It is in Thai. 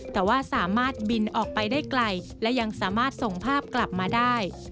แต่ว่าสามารถบินออกไปได้ไกลและยังสามารถส่งภาพกลับมาได้